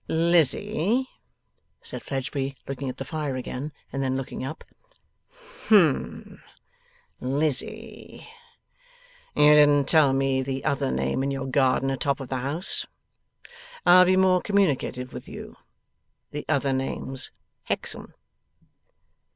'Lizzie,' said Fledgeby, looking at the fire again, and then looking up. 'Humph, Lizzie. You didn't tell me the other name in your garden atop of the house. I'll be more communicative with you. The other name's Hexam.